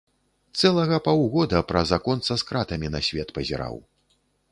Цэлага паўгода праз аконца з кратамі на свет пазіраў.